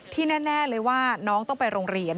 แน่เลยว่าน้องต้องไปโรงเรียน